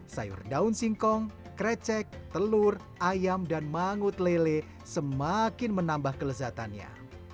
sayur daun singkong krecek telur ayam dan mangut lele semakin menambah kelezatannya